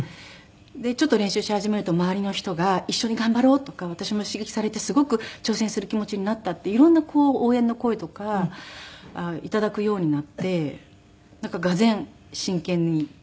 ちょっと練習し始めると周りの人が「一緒に頑張ろう」とか「私も刺激されてすごく挑戦する気持ちになった」って色んな応援の声とか頂くようになってがぜん真剣に。